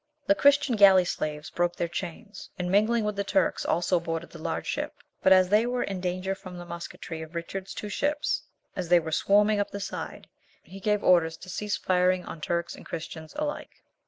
The Christian galley slaves broke their chains, and mingling with the Turks also boarded the large ship, but as they were in danger from the musquetry of Richard's two ships as they were swarming up the side, he gave orders to cease firing on Turks and Christians alike.